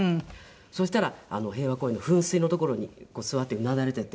そしたら平和公園の噴水の所に座ってうなだれていて。